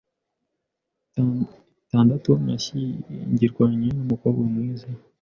itandatu nashyingiranwe n’umukobwa mwiza